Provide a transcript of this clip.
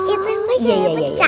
itu itu kayaknya pecah